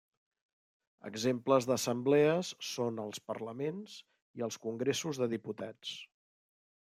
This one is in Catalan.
Exemples d'assemblees són els parlaments i els congressos de diputats.